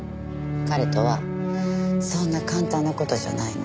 彼とはそんな簡単な事じゃないの。